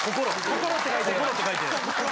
・・「心」って書いてある・